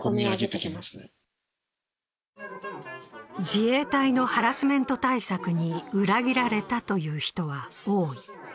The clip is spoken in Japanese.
自衛隊のハラスメント対策に裏切られたという人は多い。